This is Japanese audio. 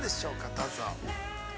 どうぞ。